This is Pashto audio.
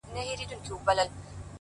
ستا ټولي كيسې لوستې ـ